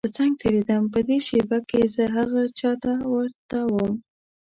په څنګ تېرېدم په دې شېبه کې به زه هغه چا ته ورته وم.